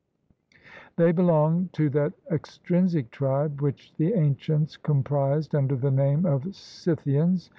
They belonged to that extensive tribe which the ancients comprised under the name of Scyth ians.